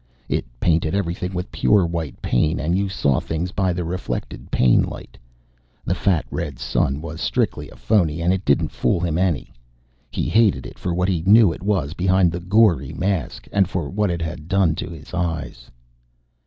It painted everything with pure white pain, and you saw things by the reflected pain light. The fat red sun was strictly a phoney, and it didn't fool him any. He hated it for what he knew it was behind the gory mask, and for what it had done to his eyes.